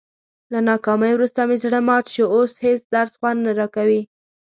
له ناکامۍ ورسته مې زړه مات شو، اوس هېڅ درس خوند نه راکوي.